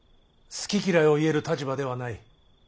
好き嫌いを言える立場ではない。